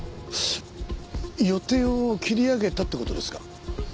予定を切り上げたって事ですか？